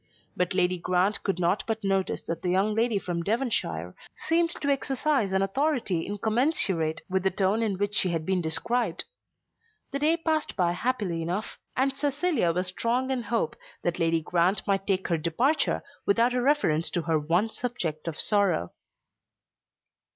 But Lady Grant could not but notice that the young lady from Devonshire seemed to exercise an authority incommensurate with the tone in which she had been described. The day passed by happily enough, and Cecilia was strong in hope that Lady Grant might take her departure without a reference to her one subject of sorrow.